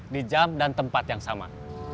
di jam dan tempat yang sama